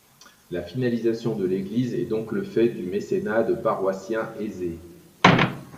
La finalisation de l'église est donc le fait du mécénat de paroissiens aisés.